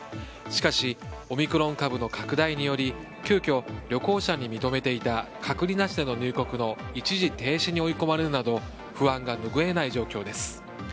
しかしオミクロン株の拡大により急きょ旅行者に認めていた隔離なしでの入国の一時停止に追い込まれるなど不安が拭えない状況です。